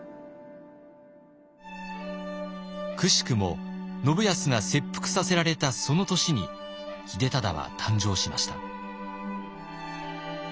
くしくも信康が切腹させられたその年に秀忠は誕生しました。